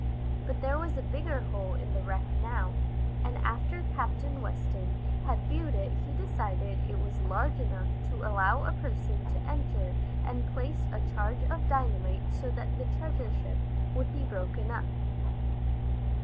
But there was a bigger hole in the wreck now, and after Captain Weston had viewed it he decided it was large enough to allow a person to enter and place a charge of dynamite so that the treasure ship would be broken up.